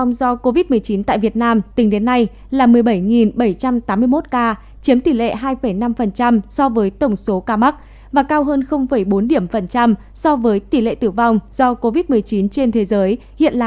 tổng số ca tử vong do covid một mươi chín tại việt nam tính đến nay là một mươi bảy bảy trăm tám mươi một ca chiếm tỷ lệ hai năm so với tổng số ca mắc và cao hơn bốn điểm phần trăm so với tỷ lệ tử vong do covid một mươi chín trên thế giới hiện là hai một